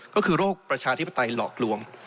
ก็คือโรคประชาธิปไตยหลอกลวง